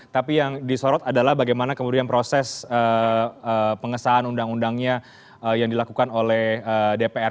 tapi yang disorot adalah bagaimana kemudian proses pengesahan undang undangnya yang dilakukan oleh dpr